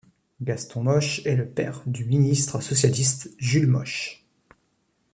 Gaston Moch est le père du ministre socialiste Jules Moch.